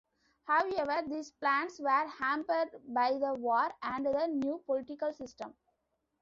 However, these plans were hampered by the war and the new political system.